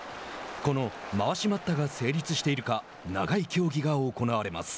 このまわし待ったが成立しているか長い協議が行われます。